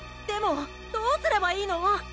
でもどうすればいいの！？